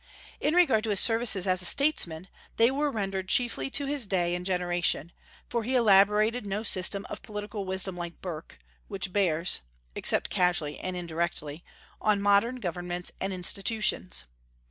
In regard to his services as a statesman, they were rendered chiefly to his day and generation, for he elaborated no system of political wisdom like Burke, which bears (except casually and indirectly) on modern governments and institutions.